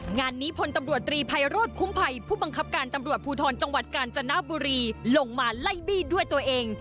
งานนี้พลตำรวจตรีภัยโรธคุ้มภัยผู้บังคับการตำรวจภูทรจังหวัดกาญจนบุรีลงมาไล่บี้ด้วยตัวเอง